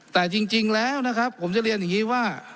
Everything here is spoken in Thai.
แต่จริงแล้วนะครับผมจะเรียนอย่างนี้ว่า